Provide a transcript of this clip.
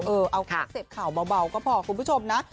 เอาเสร็จข่าวเบาก็พอคุณผู้ชมนะ